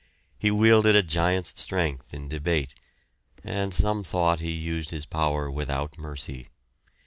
He wielded a giant's strength in debate, and some thought he used his power without mercy.